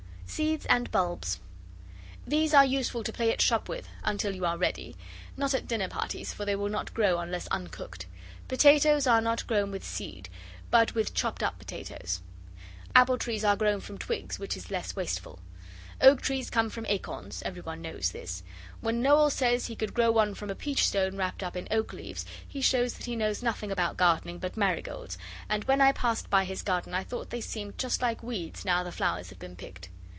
SEEDS AND BULBS These are useful to play at shop with, until you are ready. Not at dinner parties, for they will not grow unless uncooked. Potatoes are not grown with seed, but with chopped up potatoes. Apple trees are grown from twigs, which is less wasteful. Oak trees come from acorns. Every one knows this. When Noel says he could grow one from a peach stone wrapped up in oak leaves, he shows that he knows nothing about gardening but marigolds, and when I passed by his garden I thought they seemed just like weeds now the flowers have been picked.